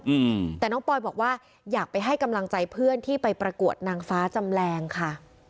อืมแต่น้องปอยบอกว่าอยากไปให้กำลังใจเพื่อนที่ไปประกวดนางฟ้าจำแรงค่ะ